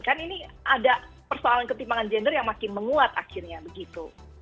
kan ini ada persoalan ketimpangan gender yang makin menguat akhirnya begitu